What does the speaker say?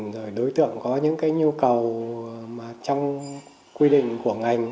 rồi đối tượng có những cái nhu cầu mà trong quy định của ngành